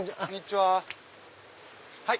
はい。